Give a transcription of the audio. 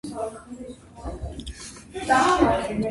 ბორბლის გარეთ ასახულია ბუდისტური გზა.